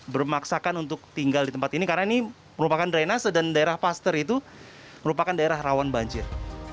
bermaksakan untuk tinggal di tempat ini karena ini merupakan drainase dan daerah pasteur itu merupakan daerah rawan banjir